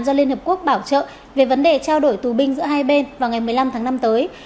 do liên hợp quốc bảo trợ về vấn đề trao đổi tù binh giữa hai bên vào ngày một mươi năm tháng năm tới